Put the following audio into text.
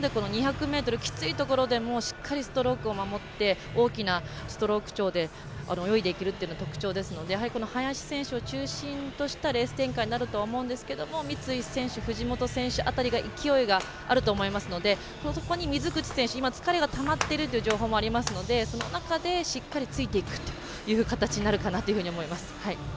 なので２００ｍきついところでもしっかりストロークを守って大きなストローク調で泳いでいけるというのが特徴ですのでやはり林選手を中心としたレース展開になると思うんですけど、三井選手藤本選手辺りが勢いがあると思うのでそこで水口選手が今、疲れがたまっているという情報がありますのでその中でしっかりついていくっていう形になるかなっていうふうに思います。